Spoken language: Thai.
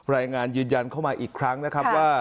รายงานยืนยันเข้ามาอีกครั้งนะครับว่า